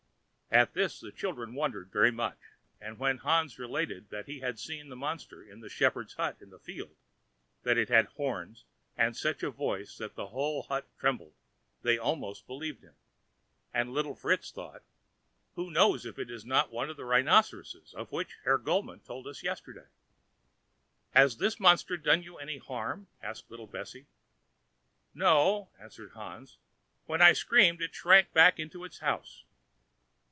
At this the children wondered very much; and when Hans related that he had seen the monster in the shepherd's hut in the field—that it had horns, and such a voice that the whole hut trembled—they almost believed him; and little Fritz thought: "Who knows if it is not one of the rhinoceroses of which Herr Gulmann told us yesterday?" "Has the monster done you any harm?" asked little Bessy. "No," answered Hans; "when I screamed, it shrank back into its house."